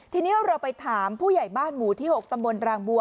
ทีนี้เราไปถามผู้ใหญ่บ้านหมู่ที่๖ตำบลรางบัว